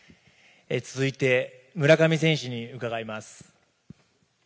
続いて、村上選手に伺います。